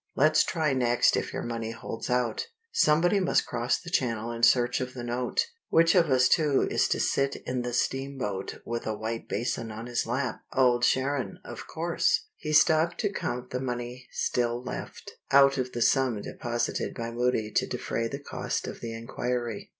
Let's try next if your money holds out. Somebody must cross the Channel in search of the note. Which of us two is to sit in the steam boat with a white basin on his lap? Old Sharon, of course!" He stopped to count the money still left, out of the sum deposited by Moody to defray the cost of the inquiry.